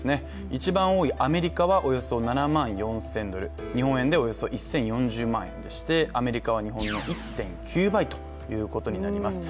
一番多いアメリカで７万４０００ドル日本円でおよそ１４００万円でしてアメリカは日本の１．９倍になります。